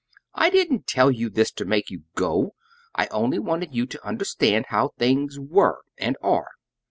I didn't tell you this to make you go. I only wanted you to understand how things were and are."